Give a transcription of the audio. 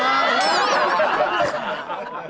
ได้